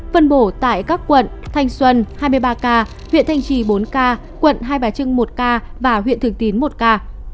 phân bổ tại các quận thanh xuân hai mươi ba ca huyện thanh trì bốn ca quận hai bà trưng một ca và huyện thường tín một ca